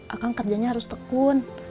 akan kerjanya harus tekun